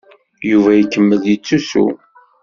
Yuba ikemmel yettusu.